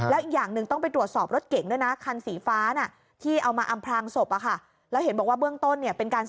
แล้วอีกอย่างนึงต้องไปตรวจสอบรถเก๋งด้วยนะ